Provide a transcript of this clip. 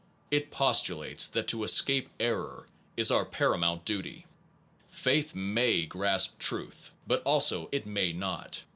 It postulates that to escape error is our para mount duty. Faith may grasp truth; but also it may not.